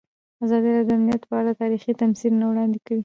ازادي راډیو د امنیت په اړه تاریخي تمثیلونه وړاندې کړي.